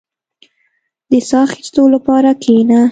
• د ساه اخيستلو لپاره کښېنه.